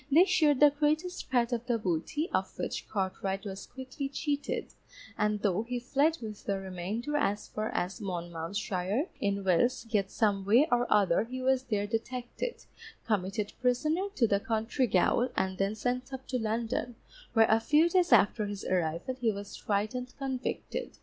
They shared the greatest part of the booty, of which Cartwright was quickly cheated, and though he fled with the remainder as far as Monmouthshire, in Wales, yet some way or other he was there detected, committed prisoner to the county gaol and then sent up to London, where a few days after his arrival he was tried and convicted.